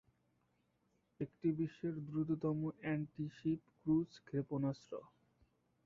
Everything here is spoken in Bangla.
এটি বিশ্বের দ্রুততম অ্যান্টি-শিপ ক্রুজ ক্ষেপণাস্ত্র।